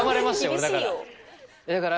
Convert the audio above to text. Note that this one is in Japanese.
俺だから。